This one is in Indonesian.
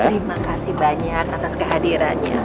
terima kasih banyak atas kehadirannya